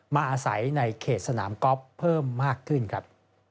อาศัยในเขตสนามกอล์ฟเพิ่มมากขึ้นครับ